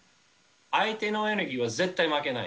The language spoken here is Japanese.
相手のエネルギーは絶対負けない。